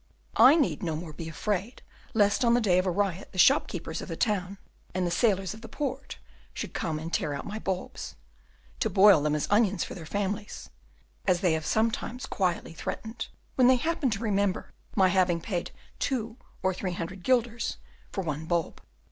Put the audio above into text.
I need no more be afraid lest on the day of a riot the shopkeepers of the town and the sailors of the port should come and tear out my bulbs, to boil them as onions for their families, as they have sometimes quietly threatened when they happened to remember my having paid two or three hundred guilders for one bulb.